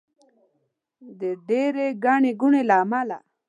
د ډېرې ګڼې ګوڼې له امله.